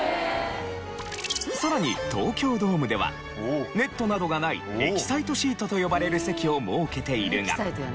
さらに東京ドームではネットなどがないエキサイトシートと呼ばれる席を設けているが。